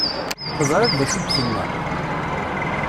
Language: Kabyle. Teẓriḍ d acu i d-tenna?